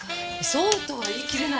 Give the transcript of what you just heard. そうとは言い切れないわ。